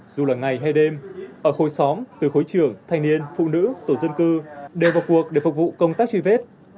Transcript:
dù là ngày hay đêm ở khối xóm từ khối trưởng thanh niên phụ nữ tổ dân cư đều vào cuộc để phục vụ công tác truy vết